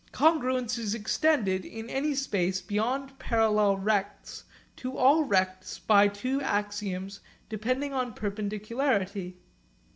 Congruence is extended in any space beyond parallel rects to all rects by two axioms depending on perpendicularity.